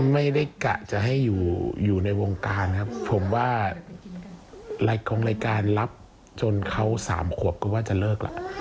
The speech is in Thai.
ไม่ได้กะจะให้อยู่ในวงการครับผมว่าของรายการรับจนเขาสามขวบก็ว่าจะเลิกล่ะ